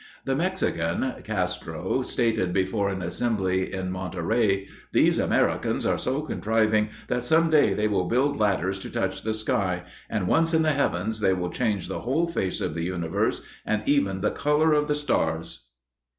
The Mexican, Castro, stated before an assembly in Monterey: "These Americans are so contriving that some day they will build ladders to touch the sky, and once in the heavens they will change the whole face of the universe and even the color of the stars."